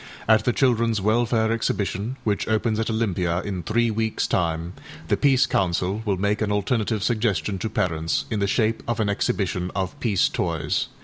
At the Childrenâs Welfare Exhibition, which opens at Olympia in three weeksâ time, the Peace Council will make an alternative suggestion to parents in the shape of an exhibition of âpeace toys.